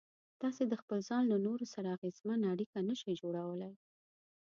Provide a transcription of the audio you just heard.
تاسې د خپل ځان له نورو سره اغېزمنه اړيکه نشئ جوړولای.